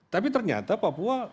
tapi ternyata papua